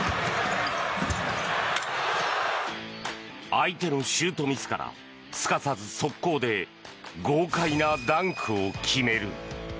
相手のシュートミスからすかさず速攻で豪快なダンクを決める。